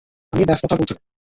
আমরা ব্যস কথা বলছিলাম।